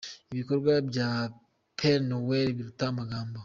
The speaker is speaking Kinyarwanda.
Ibikorwa bya Père Noël biruta amagambo.